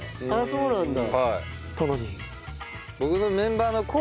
そうなんだ。